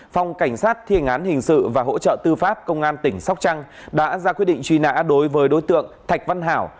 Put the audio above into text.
phòng cảnh sát thiên án hình sự và hỗ trợ tư pháp công an tỉnh sóc trăng đã ra quyết định truy nã đối với đối tượng thạch văn hảo